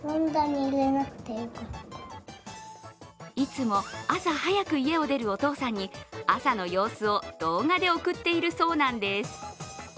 いつも朝早く家を出るお父さんに朝の様子を動画で送っているそうなんです。